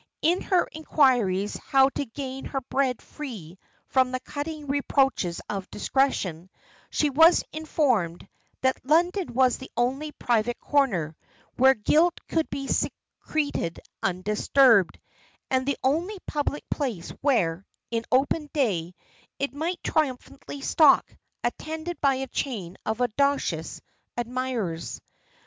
In her inquiries how to gain her bread free from the cutting reproaches of discretion, she was informed "that London was the only private corner, where guilt could be secreted undisturbed; and the only public place where, in open day, it might triumphantly stalk, attended by a chain of audacious admirers."